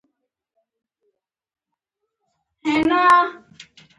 ما ورته ژمنه وکړه: زه به یې هېڅکله په ساړه باد لا ونه وهم.